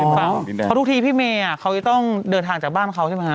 เพราะทุกทีพี่เมย์เขาจะต้องเดินทางจากบ้านเขาใช่ไหมฮ